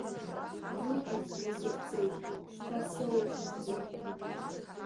Иуҳәаз назыгӡеит, шьҭа соужь, иҳәит.